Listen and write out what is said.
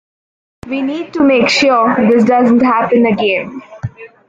We need to make sure this doesn't happen again.